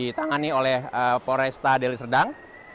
ditangani oleh polresta dari serdang